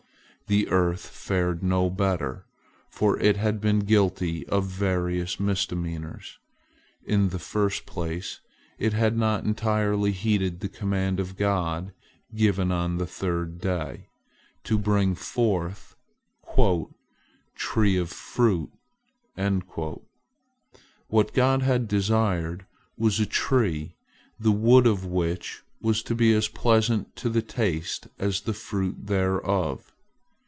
The earth fared no better, for it had been guilty of various misdemeanors. In the first place, it had not entirely heeded the command of God given on the third day, to bring forth "tree of fruit." What God had desired was a tree the wood of which was to be as pleasant to the taste as the fruit thereof.